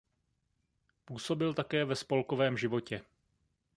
Působil také ve spolkovém životě.